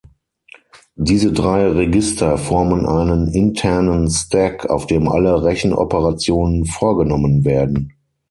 Diese drei Register formen einen internen Stack, auf dem alle Rechenoperationen vorgenommen werden.